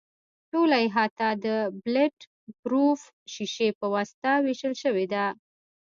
ټوله احاطه د بلټ پروف شیشې په واسطه وېشل شوې ده.